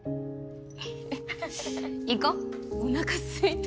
フフ行こうおなかすいた。